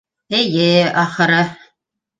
Эйе, ахыры...